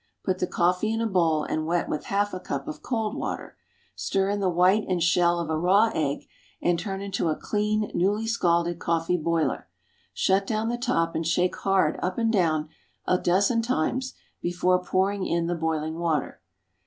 Put the coffee in a bowl and wet with half a cup of cold water. Stir in the white and shell of a raw egg, and turn into a clean, newly scalded coffee boiler. Shut down the top and shake hard up and down half a dozen times before pouring in the boiling water.